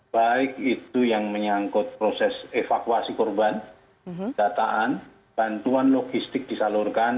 baik itu yang menyangkut proses evakuasi korban dataan bantuan logistik disalurkan